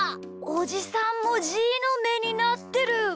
おじさんもじーのめになってる！